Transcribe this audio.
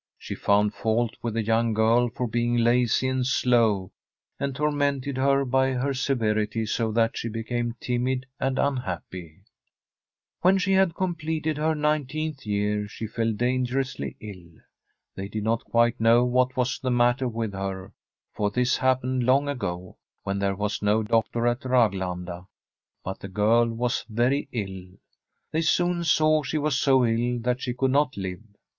She found fault with the young girl for being lazy and slow, and tormented her by her severity so that she became timid and unhappy. When she had completed her nineteenth year, she fell dangerously ill. They did not quite know what was the matter with her, for this happened long ago, when there was no doctor at Raglanda, but the girl was very ill. They soon saw she was so ill that she could not live.